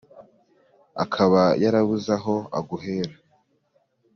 akaba yarabuze aho aguhera